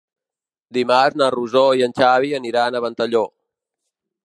Dimarts na Rosó i en Xavi aniran a Ventalló.